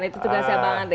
itu tugasnya bang andre